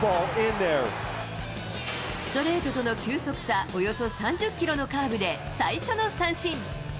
ストレートとの球速差、およそ３０キロのカーブで、最初の三振。